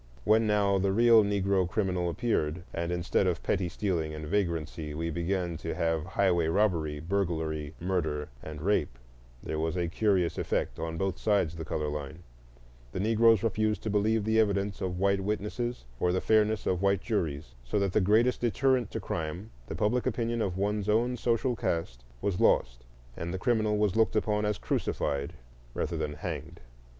When, now, the real Negro criminal appeared, and instead of petty stealing and vagrancy we began to have highway robbery, burglary, murder, and rape, there was a curious effect on both sides the color line: the Negroes refused to believe the evidence of white witnesses or the fairness of white juries, so that the greatest deterrent to crime, the public opinion of one's own social caste, was lost, and the criminal was looked upon as crucified rather than hanged.